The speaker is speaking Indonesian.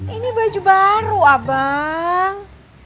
ini baju baru abang